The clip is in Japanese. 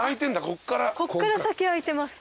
こっから先空いてます。